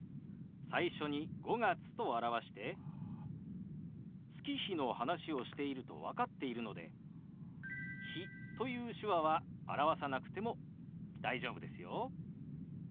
最初に「５月」と表して月日の話をしていると分かっているので「日」という手話は表さなくても大丈夫ですよ。